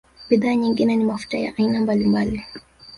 Bidhaa nyingine ni mafuta ya aina mbalimbali